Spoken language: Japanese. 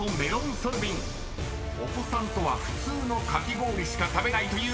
［お子さんとは普通のかき氷しか食べないという大友さん］